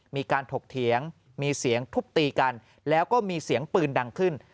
ถกเถียงมีเสียงทุบตีกันแล้วก็มีเสียงปืนดังขึ้น